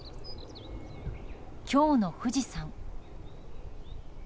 今日の富士山。